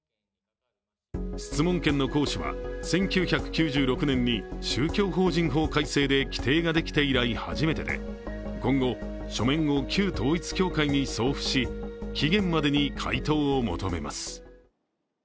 質問権の行使は１９９６年に宗教法人法改正で規定ができて以来初めてで、今後、書面を旧統一教会に送付し期限までに回答を求めます。